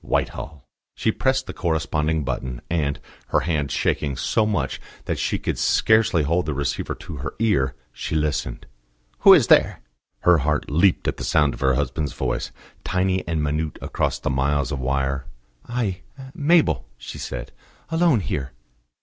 WHITEHALL. She pressed the corresponding button, and, her hand shaking so much that she could scarcely hold the receiver to her ear, she listened. "Who is there?" Her heart leaped at the sound of her husband's voice, tiny and minute across the miles of wire. "I Mabel," she said. "Alone here."